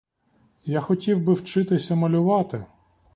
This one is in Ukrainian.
Я хотів би вчитися малювати.